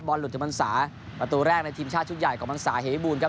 บอลหลุดถึงมันสาประตูแรกในทีมชาติชุดใหญ่ของมันสาเฮบูนครับ